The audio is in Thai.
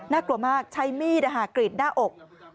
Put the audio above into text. กลัวมากใช้มีดกรีดหน้าอก